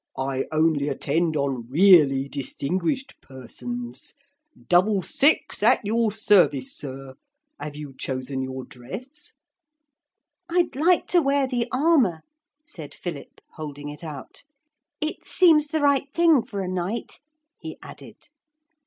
I only attend on really distinguished persons. Double six, at your service, Sir. Have you chosen your dress?' 'I'd like to wear the armour,' said Philip, holding it out. 'It seems the right thing for a Knight,' he added.